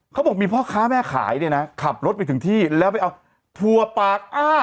เขาบอกมีพ่อค้าแม่ขายเนี่ยนะขับรถไปถึงที่แล้วไปเอาถั่วปากอ้า